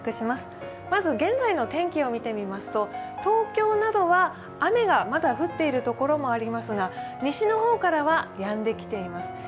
まず現在の天気を見てみますと、東京などは雨がまだ降っているところもありますが、西の方からはやんできています。